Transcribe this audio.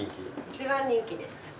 一番人気です。